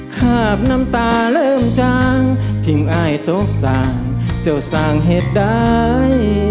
ข้าบน้ำตาเริ่มจังทิ้งอ้ายตกส่างเจ้าส่างเหตุใด